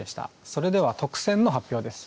それでは特選の発表です。